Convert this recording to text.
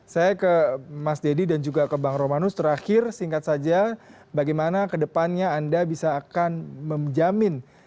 saya ke mas deddy dan juga ke bang romanus terakhir singkat saja bagaimana kedepannya anda bisa akan menjamin